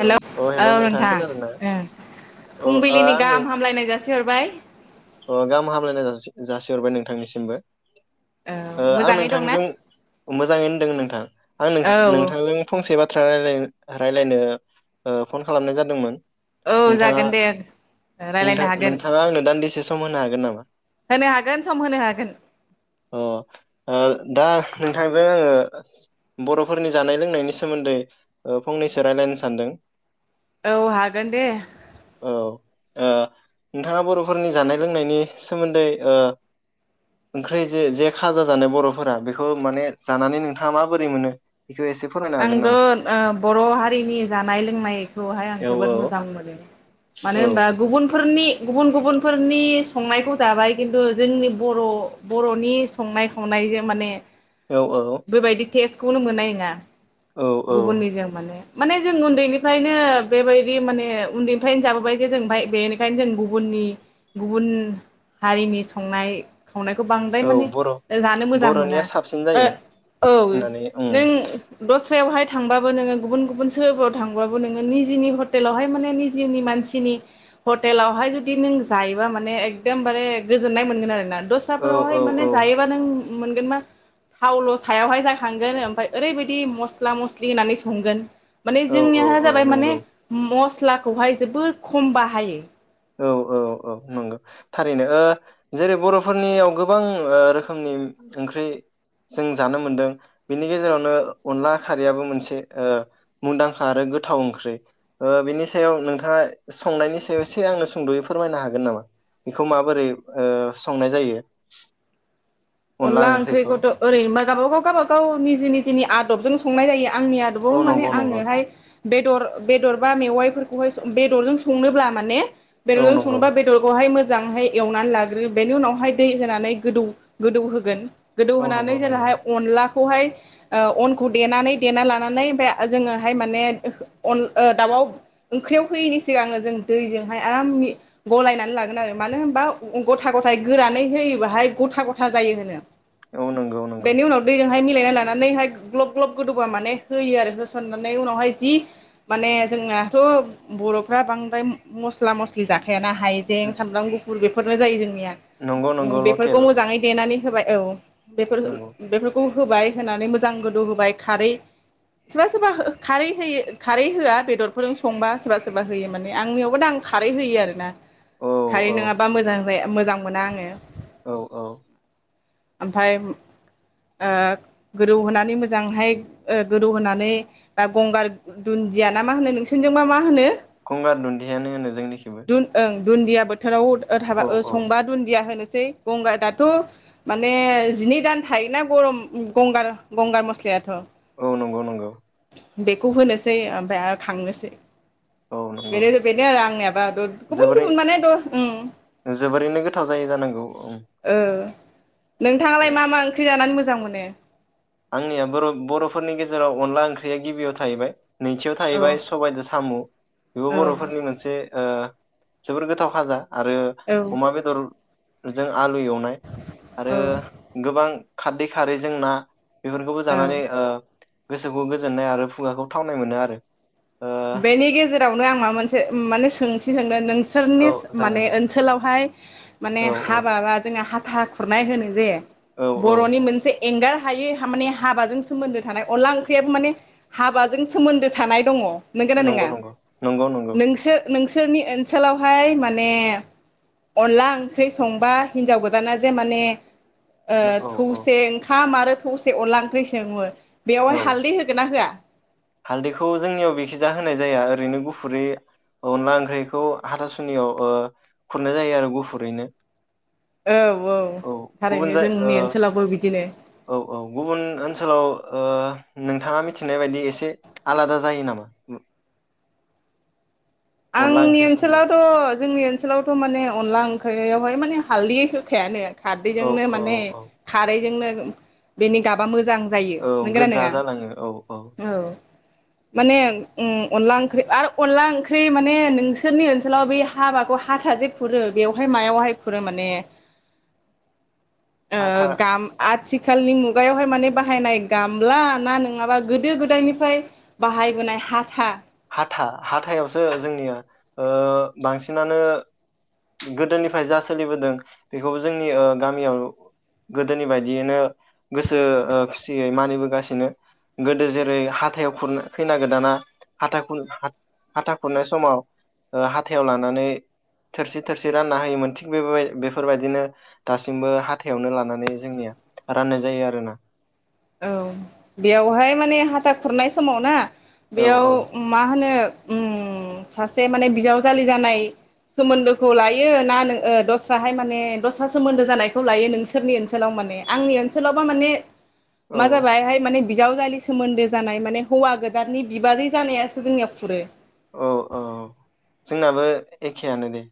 Hello अ औ hello नोंथाङा नोंथां खोनादों ना अ ओ ओ फुंबिलिनि आं नों गाहाम हामलायनाय जासिहरबाय। अ गाहाम हामलायनाय जा-जासिहरबाय नोंथांनिसिमबो। औ ओ आं मोजाङै दंना नोंथांजों मोजाङै होनदों नोंथां आं औ नोंथांजों फंसे बा ब रायलायनो ओ फन खालामनाय जादोंमोन औ नोंथाङा जागोन दे नोंथ रायलायनो हागोन नोंथाङा आंनो दान्दिसे सम होनो हागोन नामा होनो हागोन सम होनो हागोन अ ओ दा नोंथांजों आङो बर'फोरनि जानाय लोंनायनि सोमोन्दै ओ फंनैसो रायलायनो सानदों औ हागोन दे औ ओ नोंथाङा बर'फोरनि जानाय लोंनायनि सोमोन्दै ओ ओंख्रि जे जे खाजा जानाय बर'फोरा बेखौ माने जानानै नोंथाङा माबोरै मोनो बेखौ एसे फोरमायनो हागोन आंथ' नामा? ओ बर' हारिनि जानाय लोंनायखौहाय आं औ जोबोद मोजां मोनो मानो औ होनबा गुबुनफोरनि गुबुन गुबुनफोरनि संनायखौ जाबाय खिन्थु जोंनि बर' बर'नि संनाय खावनायजों माने औ औ बेबायदि टेस खौनो मोननाय नङा औ औ गुबुननिजों माने माने जों उन्दैनिफ्रायनो बेबायदि माने उन्दैनिफ्रायनो जाबोबाय जे जों बेनिखायनो जों गुबुननि गुबुन हारिनि संनाय संनायखौ बांद्राय औ माने बर' जानो मोजां मोना बर'निया साबसिन ओ जायो औ होननानै उम नों दस्रायावहाय थांबाबो नोङो गुबुन गुबुन सोहोरफोराव थांबाबो नोङो निजिनि हटेलावहाय माने निजिनि मानसिनि हटेलावहाय जुदि नों जायोबा माने एकदमबारे गोजोननाय मोनगोन आरोना औ दस्राफोरावहाय औ माने औ जायोबा नों मोनगोन मा थावल' सायावहाय जाखांगोन ओमफाय ओरैबायदि बिदि मस्ला मस्लि होनानै संगोन माने औ औ जोंनिया औ जाबाय माने नंगौ मस्ट मस्लाखौहाय जोबोर खम बाहायो औ औ औ नंगौ थारैनो ओ जेरै बर'फोरनियाव गोबां ओ रोखोमनि ओंख्रि जों जानो मोनदों बेनि गेजेरावनो अनला खारैयाबो मोनसे ओ मुंदांखा आरो गोथाव ओंख्रि ओ बेनि सायाव नोंथाङा संनायनि सायाव ए से आंनो सुंद'यै फोरमायनो हागोन नामा बेखौ माबोरै ओ संनाय जायो अनला ओंख्रिखौथ' ओरैनोबा गावबा गाव गावबा गाव निजि निजिनि आदबजों संनाय जायो आंनि आदबाव औ माने नंगौ नंगौ आंङोहाय बेदर बेदर बा मेवाइफोरखौहाय बेदरजों संनोब्ला माने औ बेदरजों नंगौ संनोबा बेदरखौहाय मो जांहाय एवनानै लाग्रो बेनि उनावहाय दै होनानै गोदौ गोदौ होगोन औ गोदौहोनानै नंगौ नंगौ जेलाहाय अनला खौहाय ओ अनखौ देनानै देना लानानै ओमफ्राय जोङोहाय माने अन दाउआव ओंख्रियाव होयैनि सिगांनो जों दैजोंहाय आराम गलायनानै लागोन आरो मानो होनबा गथा गथाय गोरानै होयोबाहाय गथा गथा गथा जायो होनो ओ नंगौ नंगौ हाय मिलायना लानानैहाय ग्लब ग्लब गोदौबा माने होयो आरो होसननानै उनावहाय जि माने जोंनाथ' बर'फ्रा बांद्राय मस्ला मस्लि जाखायाना हाइजें सामब्राम गु फुर बेफोरनो जायो जों निया नंगौ नंगौ उम बेफोरखौ लकेल मोजाङै नानै होबाय औ बेफोर नंगौ बेफोरखौ होबाय होनानै मोजां गोदौ होबाय खारै सोरबा सोरबा खारै होयो खारै होआ बेदरफोरजों संबा सोरबा सोरबा होयो माने आंनियावबा दा आं खारै होयो आरो ना। औ खारि औ नङाबा मोजां माने मोजां मोना आङो औ औ ओमफाय ओ गोदौ होनानै मोजांहाय ओ गोदौ होनानै बा गंगार दुन्दिया ना मा होनो नोंसोरजोंबा मा होनो। गंगार दुन्दियानो होनो जोंनिखेबो। दुन ओं दुन्दिया बोथोराव ओ थाब ओ संबा दुन्दिया होनो। जै गंगा दाथ' माने जिनै दान थायोना गरम गंगार गंगार मस्लायाथ' औ नंगौ नंगौ बेखौ होनोसै ओमफ्राय खांनोसै। औ नंगौ बेनो बेनो आरो आंनियाबा गुबुन जोबोरै गुबुन माने द उम जोबोरैनो गोथाव जायो जानांगौं। ओ नोंथाङालाय मा मा ओंख्रै जानानै मोजां मोजां मोनो? आंनिया बर' बर'फोरनि गेजेराव अनला ओंख्रिया गिबियाव थाहैबाय। नैथियाव औ थाहैबाय सबायदो साम' बेबो औ बर'फोरनि मोनसे ओ जोबोर गोथाव खाजा। आरो अमा औ बेदर रोजा आलु एवनाय आरो औ गोबां खारदै खारै जों ना बेफोरखौबो औ जानानै ओ गोसोखौ गोजोननाय आरो खुगाखौ थावनाय मोनो आरो। ओ बेनि गेजेरावनो आं माबा मोनसे माने सोंथि सोंदों नोंस औ फोरनिस जागोन माने दे ओनसोलावहा द माने औ औ हाबा बा जोंहा हा था खुरनाय होनो जे औ औ बर'नि मोनसे एंगार हायै माने हाबाजों सोमोन्दो थानाय अनला ओंख्रियाबो माने हाबाजों सोमोन्दो थानाय दङ नोंगोना नंगौ नोङा नंगौ नंगौ नंगौ नोंसोर नोंस सोरनि ओनसोलावहाय माने अनला ओंख्रि संबा हिनजाव गोदाना जे माने ओ औ औ थौसे ओंखाम आरो थोसे अनला ओंख्रि सेङोमोन औ बेवहाय हालदै होगोन ना होआ हालदैखौ जोंनियाव बेखिजा होनाय जाया ओरैनो गुफुरै अनला ओंख्रैखौ हाथासुनियाव ओ खुरनाय जायो आरो गुफुरैनो औ थारैनो गुबुन जाय जोंनि ओ ओनसोलावबो बिदिनो औ औ गुबुन ओनसोलाव ओ नोंथाङा मिथिनाय बायदि एसे आलादा जायो नामा अनला आंनि ओंख्रि संनाय ओनसोलावथ' जोंनि ओनसोलावथ' माने अनला ओंख्रै आव बहाय माने हालदि होखाया नो औ खारदैजोंनो औ माने औ खारैजोंनो बेनि गाबा मोजां मोजां जायो औ नोंगोना गोजा नोङा जालाङो औ औ माने अनला ओंख्रि आरो अनला ओंख्रि माने नोंसोरनि ओनसोलाव बे हाबाखौ हाथाजे खुरो बेवहाय मायावहाय खुरो माने ओ हाथा गाम आथि आथिखालनि मुगायावहाय माने बाहायनाय गामला ना नङाबा गोदो गोदायनिफ्राय बाहायबोनाय हाथा हाथा हाथायावसो जोंनिया ओ बांसिनानो गोदोनिफ्राय जा सोलिबोदों बेखौबो जोंनि ओ गामियाव गोदोनि बायदियैनो गोसो खुसियै ओ मानिबोगासिनो गोदो जेरै हाथायाव खुर खैना गोदाना हा खुर हाथा खुरनाय समाव हाथायाव लानानै थोरसि थोरसि रानना होयोमोन थिग बे बेफोरबायदिनो दासिमबो हाथायावनो लानानै जोंनिया राननाय जायो आरोना औ बेयावहाय माने हाथा खुरनाय समाव ना औ बेयाव औ मा होनो उम सासे माने बिजावजालि जानाय सोमोन्दोखौ लायो ना दस्राहाय माने दस्रा सोमोन्दो जानायखौ लायो नोंसोरनि ओनसोलाव माने आंनि ओनसोलावबा माने औ मा जाबाय हाय माने बिजावजालि सोमोन्दो जानाय माने हौवा गोदाननि बिबाजै जानायासो जोंनिया खुरो औ औ औ जोंनाबो एखेयानो दे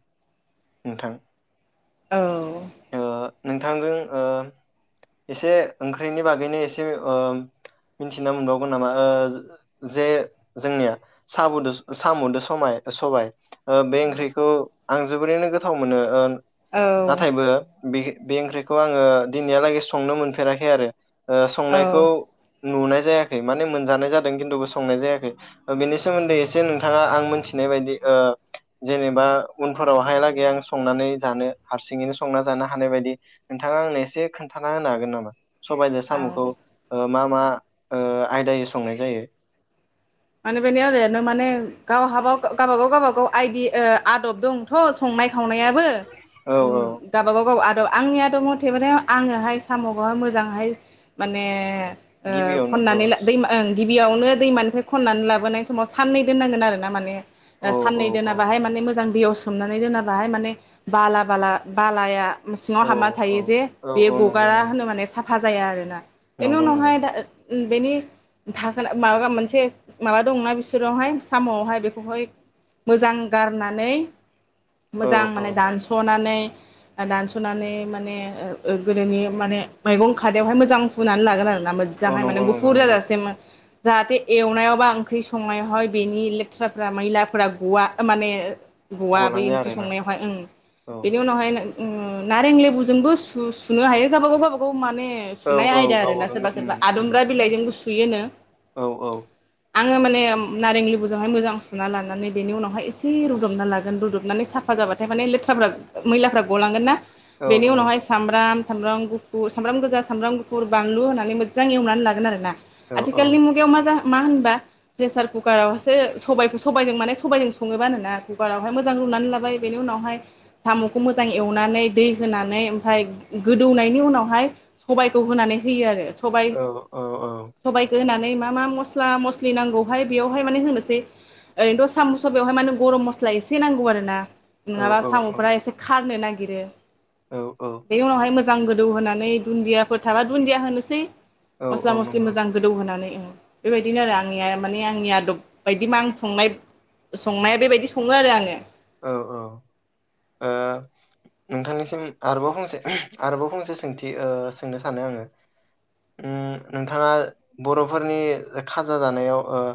नोंथां औ ओ नोंथांजों ओ एसे ओंख्रिनि बागैनो एसे ओ मिथिना मोनबावगोन नामा ओ जे जोंनिया साम' साम'दो समाय सबाय ओ बे ओंख्रिखौ आं जोबोरैनो गोथाव मोनो औ नाथायबो बे बे ओंख्रिखौ आङो दिनैहालागै संनो मोनफेराखै आरो ओ संनायखौ औ नुनाय जायाखै माने मोनजानाय जादों खिन्थुबो संनाय जायाखै बेनि सोमोन्दै एसे नोंथाङा आं मोनथिनाय बायदि जेनेबा उनफोरावहायलागै आं संनानै जानो हारसिं हारसिङैनो संना जानो हानाय बायदि नोंथाङा आंनो एसे खोन्थाना होनो हागोन नामा? सबायजों औ साम'खौ मा मा आयदायै संनाय जायो माने बेनो ओरैनो माने गावहाबा गावबागाव गावबागाव आइदि आदब दंथ' संनाय खावनायाबो औ उम औ गावबा गाव आद र' आंनिया द' मथेब आङोहाय साम'खौहाय मोजांहाय माने ओ गिबियावनो औ खननानै ला दैमा ओं गि बेयावनो दै मानिफाय खननानै लाबोनाय समाव साननै दोननांगोन आरो ना माने औ औ साननै औ दोना बाहाय माने मोजां दैयाव सोमनानै दोना बाहाय माने बाला बाला बालाया सिङाव औ हाबना औ थायो जे औ बे औ नंगौ गगारा नंगौ होनो माने साफ फाजाया आरोना एनि नंगौ उनाव नंगौ हाय दा बेनि धाखोना माबाया मोनसे माबा दंना बिसोरावहाय साम'आवहाय बेखौहाय मोजां गारनानै औ मोजां औ माने दानस'नानै दानस'नानै माने गोदोनि माने मैगं खादायावहाय मोजां फुनानै लागोन आरो। औ मोजांहाय माने नंगौ नंगौ गुफुर नंगौ जाजासेम। जाहाथे एवनायाव बा ओंख्रि संनायावहाय बेनि लेथ्राफ्रा मैलाफोरा गवा ओ माने। गवा बै गलाङो ओंख्रि आरोना संनायावहाय ओं औ बेनि उनावहाय ओ नारें लेबुजोंबो सुनो हायो गावबा गाव गावबा गाव। माने औ सुनाय औ आयदा आरो गावबा ना सोरबा गाव उम सोरबा उम आदुमब्रा बिलाइजों सु सुयोनो। औ औ आङो माने नारें लेबुजोंहाय मोजां सुना लानानै बेनि उनावहाय एसे रुदबना लागोन रुदबनानै साफा जाबाथाय माने लेथ्राफ्रा मैलाफ्रा गलांगोन ना। औ बेनि नंगौ उनावहाय सामब्राम सामब्राम गुफुर सामब्राम गोजा सामब्राम गुफुर बानलु होनानै मोजां एवनानै लागोन आरो ना। औ औ आथिखालनि मुगायाव मा जा मा होनबा प्रेसार कुकारावहासो सबायखौ सबायजों माने सबायजों सङोबानोना कुकारावहाय मोजां रुनानै लाबाय बेनि उनावहाय साम'खौ मोजां एवनानै दै होनानै ओमफफ्राय गोदौनायनि उनावहाय सबायखौ होनानै होयो आरो। सबाय, औ औ औ सबायखौ होनानै नै मा मा मस्ला‌ म मस्लि नांगौहाय बेवहाय माने होनोसै ओरैनोथ' साम' सबायआव हाय माने गरम मस्ला एसे नांगौ आरो ना नङाबा साम'फोरा एसे खारनो नागिरो। नागिरो औ औ। मोजां गोदौ होनानै दुन्दियाफोर थाबा दुन्दिया होनोसै। औ मस्ला औ मस्लि नंगौ मोजां गोदौ होनानै। बेबायदिनो आरो आं आंनिया माने आंनि आदब बायदि मा आं संनाय संनाया बेबायदि सङो आरो आङो। औ औ ओ नोंथांनिसिम आरोबाव फंसे आरोबाव फंसे सोंथि ओ सोंनो सानो आङो उम नोंथाङा बर'फोरनि खाजा जानायाव ओ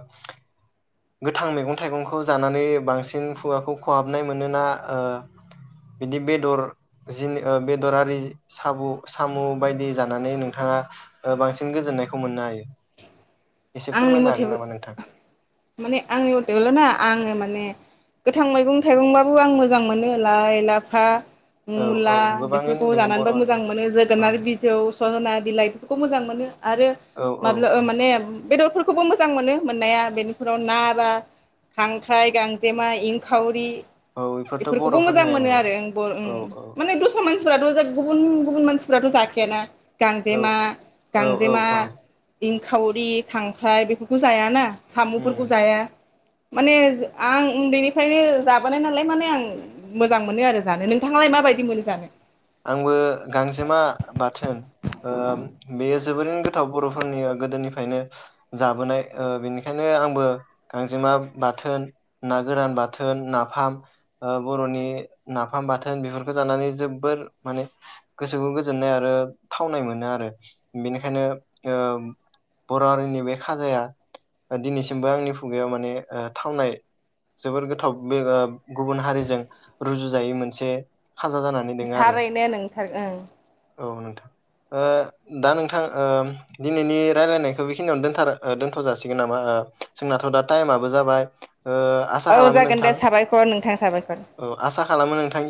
गोथां मैगं थाइगंखौ जानानै बांसिन खुगाखौ खहाबनाय मोनोना ओ बिदि बेदर जि बेदरारि साबु साम' बायदि जानानै नोंथाङा बांसिन गोजोननायखौ मोननो हायो? एसे आंनि फोरमायनो मथे हागोन नामा नोंथां? माने आंनि मथेबाल' ना आङो माने। गोथां मैगं थाइगंबाबो आं मोजां मोनो लाइ, लाफा, औ औ मुला गोबाङैनो बेफोरखौ दोङो बर' जानानैबो हारि मोजां मोनो औ जोगोनार बिजौ सजना बिलाइफोरखौ मोजां मोनो आरो औ औ माबला ओ औ माने बेदरफोरखौबो मोजां मोनो मोननाया बेनिफोराव ना बा खांख्राइ गांजेमा इंखावरि औ बेफोरथ' बेफोरखौबो मोजां बर'फोरनि मोनो आंगो आरो ओं बर ओं औ औ माने दस्रा मानसि मानसिफफोराथ' गुबुन गुबुन मानसिफोराथ' जाखायाना औ गांजेमा औ औ गांजेमा औ खावरि खांख्राइ बेफोरखौ जायाना उम साम'फोरखौ जाया माने आं उन्दैनिफ्रायनो जाबोनाय नालाय माने आं मोजां मोनो आरो जानो नोंथाङालाय माबायदि मोनो जानो आंबो गांजेमा बाथोन ओ बेयो जोबोरैनो गोथाव बर'फोरनि गोदोनिफायनो जाबोनाय ओ बेनिखायनो आंबो गांजेमा बाथोन ना गोरान बाथोन नाफाम ओ बर'नि नाफाम बाथोन बेफोरखो जानानै जोबोर माने गोसोखौ गोजोननाय आरो थावनाय मोनो आरो बेनिखायनो ओ बर' हारिनि बे खाजाया दिनैसिमबो आंनि खुगायाव माने ओ थावनाय जोबोर गोथाव बे गुबुन हारिजों रुजुजायै मोनसे खाजा जानानै दोङो आरो थारैनो नों थार ओं औ नोंथां ओ दा नोंथां ओ दिनैनि रायलायनायखौ बेखिनियावनो दोनथार दोन्थ' जाासिगोन नामा ओ जोंनाथ' दा टाइमाबो जाबाय ओ आसा औ खालामो जागोन नोंथां दे साबायखर नोंथां साबायखर औ आसा खालामो नोंथांनि